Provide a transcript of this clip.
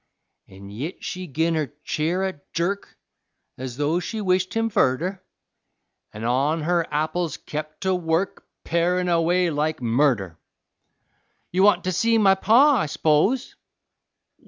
An' yit she gin her cheer a jerk Ez though she wished him furder An' on her apples kep' to work, Parin' away like murder. "You want to see my Pa, I s'pose?"